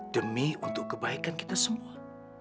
demi untuk kebaikan kita semua